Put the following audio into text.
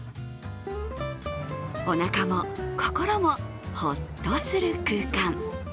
おなかも心もホッとする空間。